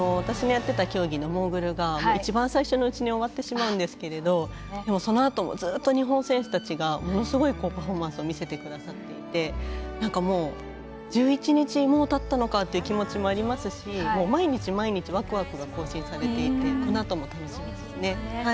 私のやっていた競技のモーグルが一番、最初のうちに終わってしまうんですけれどそのあともずっと日本選手たちがものすごいパフォーマンスを見せてくださっていて１１日、もうたったのかという気持ちもありますし毎日毎日ワクワクが更新されていてこのあとも楽しみですね。